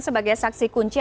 sebagai saksi kunci